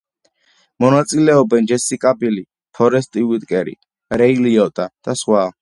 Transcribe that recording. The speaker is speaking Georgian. მონაწილეობენ: ჯესიკა ბილი, ფორესტ უიტეკერი, რეი ლიოტა და სხვა.